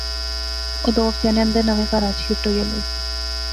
اوہ دو ہفتیاں نے اندر نویں کہراچ شفٹ ہوئی الے